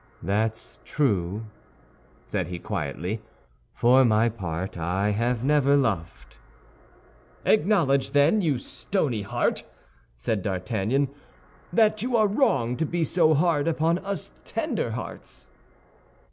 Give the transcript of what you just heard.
"That's true," said he, quietly, "for my part I have never loved." "Acknowledge, then, you stony heart," said D'Artagnan, "that you are wrong to be so hard upon us tender hearts."